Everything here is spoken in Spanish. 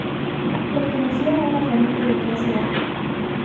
Pertenecía a una familia de clase alta.